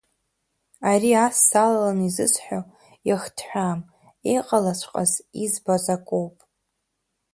Ари ас салалан изысҳәо, ихҭҳәаам, иҟалаҵәҟьаз, избаз акоуп.